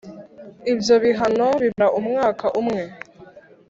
Ibyo bihano bimara umwaka umwe